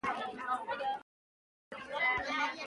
خپل مسوولیت په پوره غور سره ترسره کړئ.